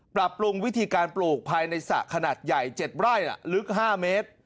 ปรับปรุงวิธีการปลูกภายในสระขนาดใหญ่๗ไร่ลึก๕เมตร